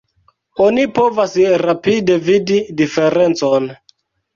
Oni povas rapide vidi diferencon.